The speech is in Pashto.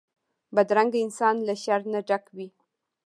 بدرنګه انسان له شر نه ډک وي